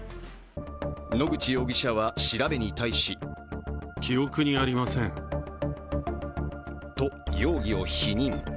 野口容疑者は調べに対しと、容疑を否認。